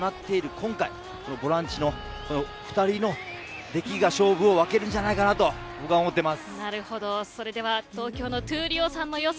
今回ボランチの２人の出来が勝負を分けると僕は思ってます。